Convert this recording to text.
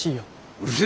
うるせえ！